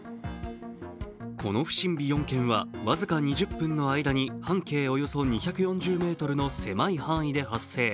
この不審火４件は僅か２０分の間に半径およそ２４０ｍの狭い範囲で発生。